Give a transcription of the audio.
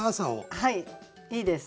はいいいです。